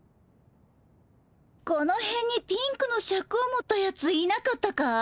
このへんにピンクのシャクを持ったやついなかったかい？